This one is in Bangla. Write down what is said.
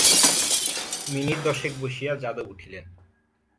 মিনিট দশেক বসিয়া যাদব উঠিলেন।